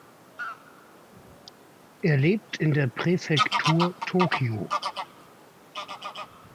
Er lebt in der Präfektur Tokio.